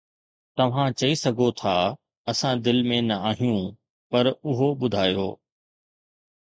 توهان چئي سگهو ٿا: "اسان دل ۾ نه آهيون؟" پر اهو ٻڌايو